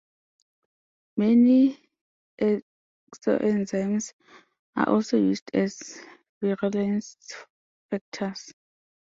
Many exoenzymes are also used as virulence factors.